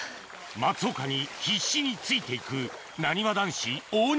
松岡に必死について行くなにわ男子・大西